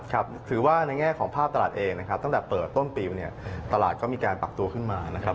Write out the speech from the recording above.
ถือว่าในแง่ของภาพตลาดเองนะครับตั้งแต่เปิดต้นปีมาเนี่ยตลาดก็มีการปรับตัวขึ้นมานะครับ